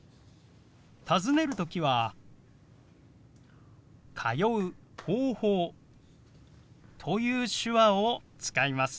尋ねる時は「通う方法」という手話を使います。